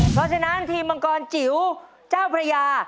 เพราะฉะนั้นทีมมังกรจิ๋วเจ้าพระยา